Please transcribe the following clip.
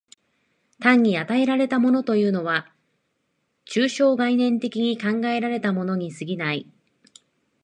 単に与えられたものというものは、抽象概念的に考えられたものに過ぎない。